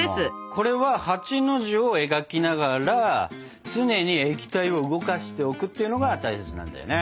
これは８の字を描きながら常に液体を動かしておくっていうのが大切なんだよね。